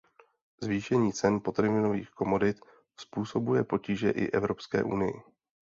Zvýšení cen potravinových komodit způsobuje potíže i Evropské unii.